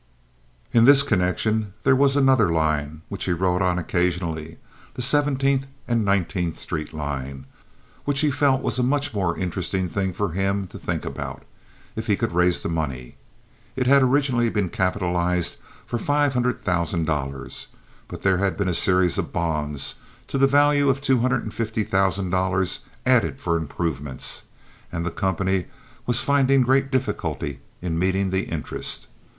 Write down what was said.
In this connection, there was another line, which he rode on occasionally, the Seventeenth and Nineteenth Street line, which he felt was a much more interesting thing for him to think about, if he could raise the money. It had been originally capitalized for five hundred thousand dollars; but there had been a series of bonds to the value of two hundred and fifty thousand dollars added for improvements, and the company was finding great difficulty in meeting the interest.